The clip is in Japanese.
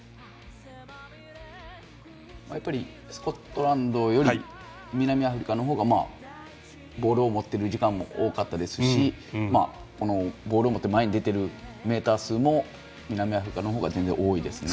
やっぱりスコットランドより南アフリカの方がボールを持っている時間も多かったですしボールを持って前に出ているメーター数も南アフリカの方が全然、多いですね。